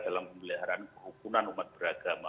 dalam pemeliharaan kerukunan umat beragama